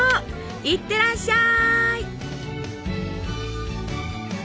いってらっしゃい！